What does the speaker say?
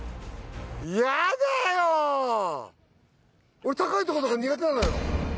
俺高いとことか苦手なのよ